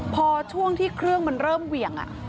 พอช่วงที่เครื่องมันเริ่มเหวี่ยง